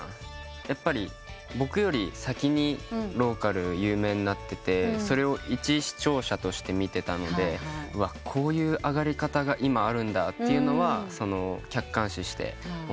やっぱり僕より先にローカル有名になっててそれを一視聴者として見てたのでこういうあがり方が今あるんだっていうのは客観視して思ってて。